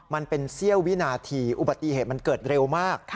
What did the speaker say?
มันเป็นเสี้ยววินาทีอุบัติเหตุมันเกิดเร็วมาก